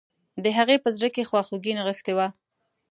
د هغې په زړه کې خواخوږي نغښتي وه